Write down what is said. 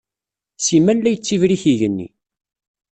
Simal la yettibrik yigenni.